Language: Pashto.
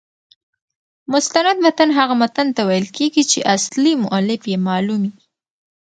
مستند متن هغه متن ته ویل کیږي، چي اصلي مؤلف يې معلوم يي.